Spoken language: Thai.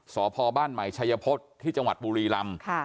สพบ้านใหม่ชัยพฤษที่จังหวัดบุรีรำ